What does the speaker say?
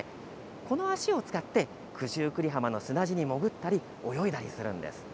この足を使って、九十九里浜の砂地に潜ったり、泳いだりするんです。